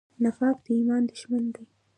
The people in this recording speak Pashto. نفاق د ایمان دښمن دی.